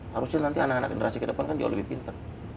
harusnya nanti anak anak generasi kedepan kan jauh lebih pinter